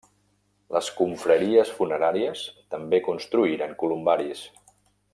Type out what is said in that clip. Les confraries funeràries també construïren columbaris.